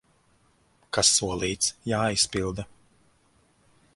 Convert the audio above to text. Kas solīts, jāizpilda!